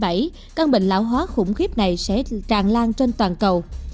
năm hai nghìn chín mươi bảy căn bệnh lão hóa khủng khiếp này sẽ tràn lan trên toàn cầu